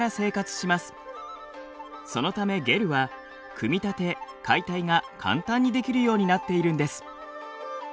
そのためゲルは組み立て・解体が簡単にできるようになっているんです。